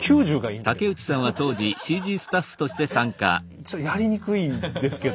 「えちょっとやりにくいんですけど」みたいな。